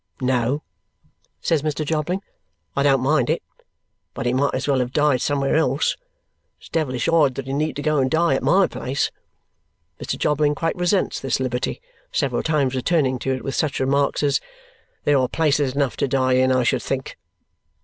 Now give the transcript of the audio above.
"No," says Mr. Jobling, "I don't mind it; but he might as well have died somewhere else. It's devilish odd that he need go and die at MY place!" Mr. Jobling quite resents this liberty, several times returning to it with such remarks as, "There are places enough to die in, I should think!"